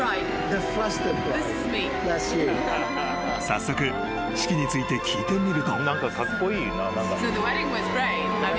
［早速式について聞いてみると］